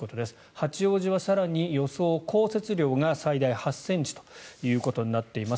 八王子は更に予想降雪量が最大８ｃｍということになっています。